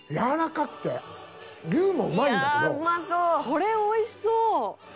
「これおいしそう！」